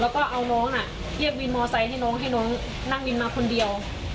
แล้วก็เอาน้องเรียกวินมอไซค์ให้น้องให้น้องนั่งวินมาคนเดียว